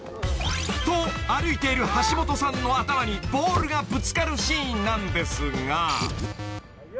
［と歩いてる橋本さんの頭にボールがぶつかるシーンなんですが］